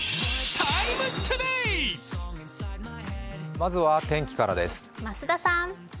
まずは天気からです。